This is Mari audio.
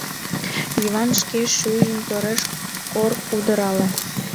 — Йыван шке шӱйжым тореш кор удырале.